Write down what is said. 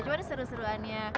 cuman ini seru seruannya